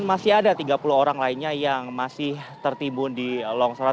masih ada tiga puluh orang lainnya yang masih tertimbun di longsoran